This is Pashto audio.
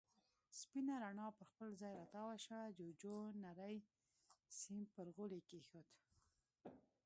سپينه رڼا پر خپل ځای را تاوه شوه، جُوجُو نری سيم پر غولي کېښود.